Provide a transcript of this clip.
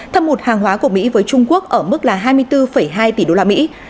thâm hụt hàng hóa của mỹ với trung quốc ở mức là hai mươi bốn hai tỷ đô la mỹ